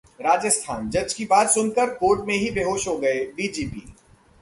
राजस्थान: जज की बात सुनकर कोर्ट में ही बेहोश हो गए डीजीपी